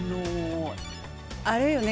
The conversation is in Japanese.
あれよね